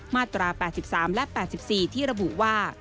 มาตรา๘๓และ๘๔ที่ระบุว่า